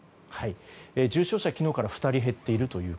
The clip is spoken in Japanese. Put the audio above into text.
重症者は昨日から２人減っています。